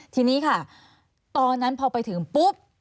ทีนี้ค่ะตอนนั้นพอไปถึงปุ๊บ